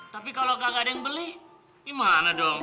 tapi kalau gak ada yang beli gimana dong